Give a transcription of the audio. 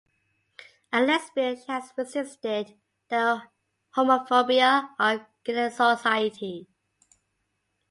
A lesbian, she has resisted the homophobia of Gilead society.